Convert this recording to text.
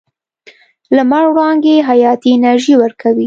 لمر وړانګې حیاتي انرژي ورکوي.